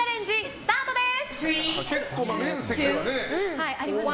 スタートです。